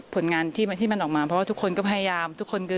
ผลงานที่มันออกมาเพราะทุกคนพยายาม